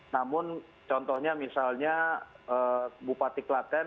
namun contohnya misalnya bupati klaten